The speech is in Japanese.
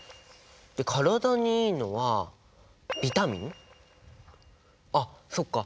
で体にいいのはビタミン？あっそっか！